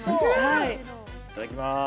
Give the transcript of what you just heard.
いただきます。